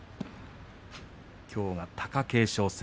きょうが貴景勝戦。